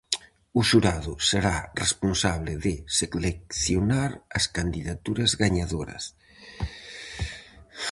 O xurado será responsable de seleccionar as candidaturas gañadoras.